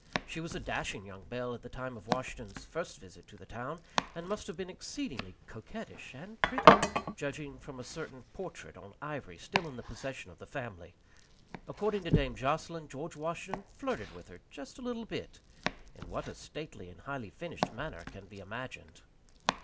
She was a dashing young belle at the time of Washington's first visit to the town, and must have been exceedingly coquettish and pretty, judging from a certain portrait on ivory still in the possession of the family. According to Dame Jocelyn, George Washington flirted with her just a little bit in what a stately and highly finished manner can be imagined.